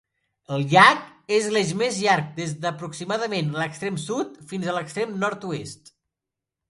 El llac és l'eix més llarg des d'aproximadament l'extrem sud fins a l'extrem nord-est.